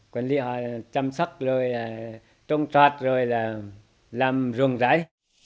quản lý họ là chăm sóc rồi là trung thoát rồi là làm ruộng rãi